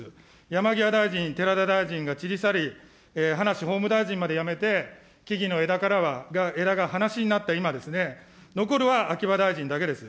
山際大臣、寺田大臣が散り去り、葉梨法務大臣まで辞めて、木々の枝が葉なしになった今に、残るは秋葉大臣だけです。